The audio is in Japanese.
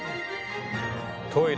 トイレ。